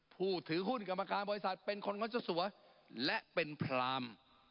ผู้ถือหุ้นกรรมการบริษัทเป็นคนงดเจ้าสัวและเป็นพราม